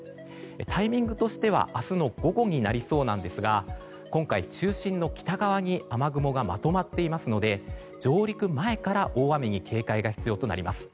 タイミングとしては明日の午後になりそうなんですが今回、中心の北側に雨雲がまとまっていますので上陸前から大雨に警戒が必要となります。